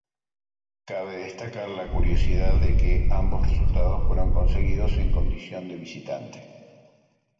Cabe destacar la curiosidad de que ambos resultados fueron conseguidos en condición de visitante.